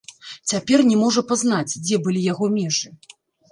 Цяпер не можа пазнаць, дзе былі яго межы.